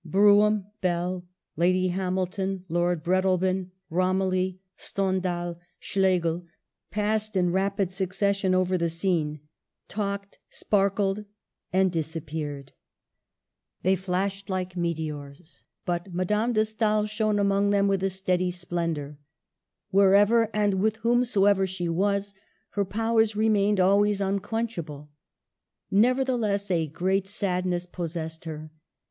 Brougham, Bell, Lady Hamilton, Lord Breadalbane, Romilly, Stendahl, Schlegel, passed in rapid succession over the scene — talked, sparkled — and disappear ed. They flashed like meteors, but Madame de Digitized by VjOOQIC 200 MADAME DE STAEL. Stael shone among them with a steady splendor. Wherever and with whomsoever she was, her powers remained always unquenchable. Never theless a great sadness possessed her.